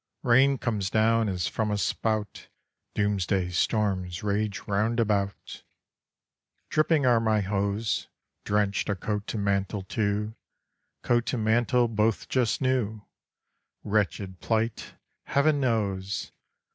Rain comes down as from a spout, Doomsday storms rage round about, Dripping are my hose; Drenched are coat and mantle too, Coat and mantle, both just new, Wretched plight, heaven knows!